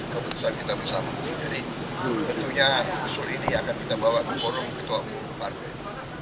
keputusan kita bersama jadi tentunya usul ini akan kita bawa ke forum ketua umum partai